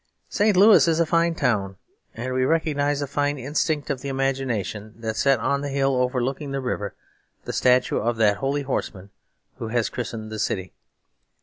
St. Louis is a fine town, and we recognise a fine instinct of the imagination that set on the hill overlooking the river the statue of that holy horseman who has christened the city.